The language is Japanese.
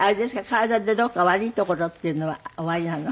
体でどこか悪いところっていうのはおありなの？